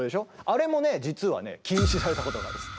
あれもね実はね禁止されたことがあるんです。